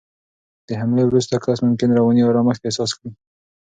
د حملې وروسته کس ممکن رواني آرامښت احساس کړي.